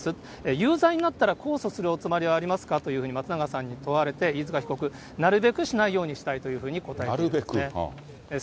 有罪になったら、控訴するおつもりはありますかというふうに松永さんに問われて、飯塚被告、なるべくしないようにしたいというふうに答えていますね。